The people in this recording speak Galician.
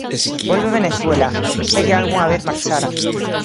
Volve Venezuela, se é que algunha vez marchara.